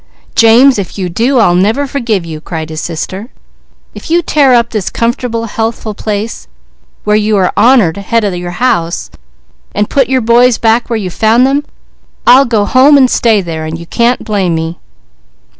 "James, if you do, I'll never forgive you!" cried his sister. "If you tear up this comfortable, healthful place, where you are the honoured head of your house, and put your boys back where you found them, I'll go home and stay there; and you can't blame me."